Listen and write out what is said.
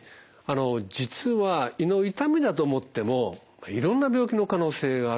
実は胃の痛みだと思ってもいろんな病気の可能性があるんですね。